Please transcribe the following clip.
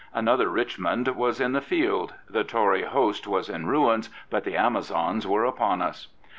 Another Richmond was in the field. The Tory host was in ruins; but the Amazons were upon us.